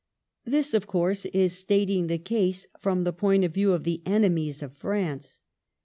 This, of course, is stating the case from the point of view of the enemies of France.